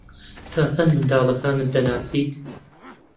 تا چەند منداڵەکانت دەناسیت؟